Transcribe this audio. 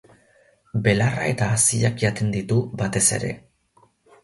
Belarra eta haziak jaten ditu, batez ere.